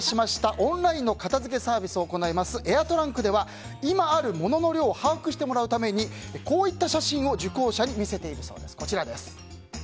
オンラインの片付けサービスを行うエアトランクでは今あるものの量を把握してもらうためにこういった写真を受講者に見せているそうです。